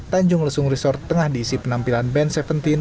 tanjung lesung resort tengah diisi penampilan band tujuh belas